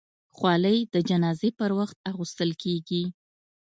خولۍ د جنازې پر وخت اغوستل کېږي.